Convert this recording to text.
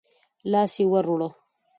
لاس يې ورووړ.